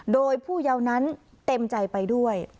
โดยผู้เยาว์นั้นเต็มใจไปด้วย